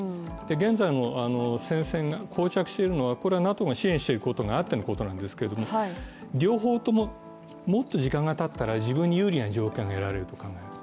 現在の戦線が、こう着しているのはＮＡＴＯが支援していることがあってのことなんですけれども、両方とももっと時間がたったら自分に有利な条件が得られると考える。